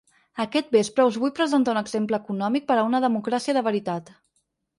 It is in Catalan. Aquest vespre us vull presentar un exemple econòmic per a una democràcia de veritat.